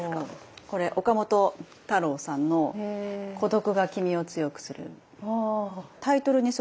これ岡本太郎さんの「孤独がきみを強くする」。